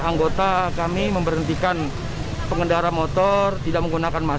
mengalami luka ringan di bagian kaki dan tangannya